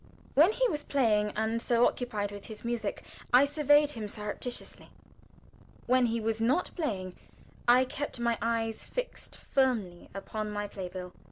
When he was playing, and so occupied with his music, I surveyed him surreptitiously; when he was not playing, I kept my eyes fixed firmly upon my play bill.